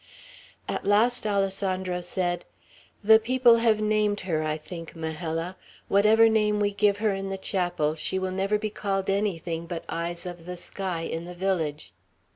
At last Alessandro said: "The people have named her, I think, Majella. Whatever name we give her in the chapel, she will never be called anything but 'Eyes of the Sky,' in the village."